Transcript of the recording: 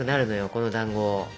このだんご。